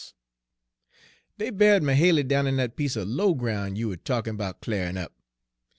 "Dey buried Mahaly down in dat piece er low groun' you er talkie' 'bout cl'arin up.